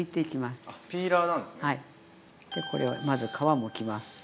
でこれをまず皮をむきます。